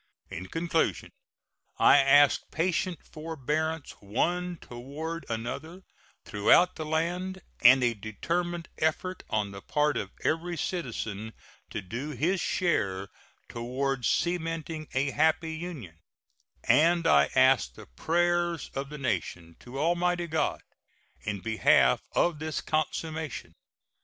In conclusion I ask patient forbearance one toward another throughout the land, and a determined effort on the part of every citizen to do his share toward cementing a happy union; and I ask the prayers of the nation to Almighty God in behalf of this consummation.